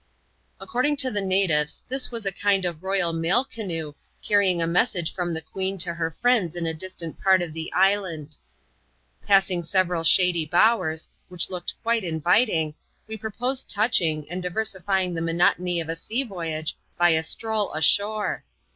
According to the natives, this was a kind of royal mail canoe, carrying a message from the queen to her friends in a distant part of the island. Passing several shady bowers, which looked quite inviting, we proposed touching, and diversifying the monotony of a sea voyage by a stroll ashore.